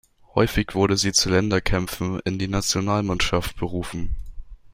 Häufig wurde sie zu Länderkämpfen in die Nationalmannschaft berufen.